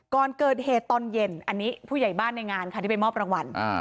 ก่อนเกิดเหตุตอนเย็นอันนี้ผู้ใหญ่บ้านในงานค่ะที่ไปมอบรางวัล